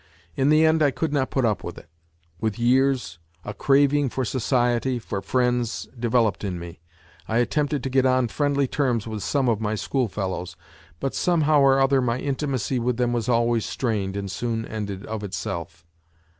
In the end I could not put up with it : with years a craving for society, for friends, developed in me. I attempted to get on friendly terms with some of my schoolfellows ; but somehow or other my intimacy with them was always strained and soon ended of itself.